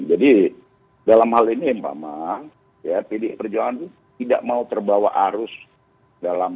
dalam hal ini mpama ya pdi perjuangan itu tidak mau terbawa arus dalam